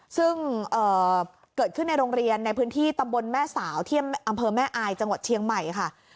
ซึ่งเกิดขึ้นในโรงเรียนในพื้นที่ตำบลแม่สาวที่อำเภอแม่อายจังหวัดเชียงใหม่ค่ะ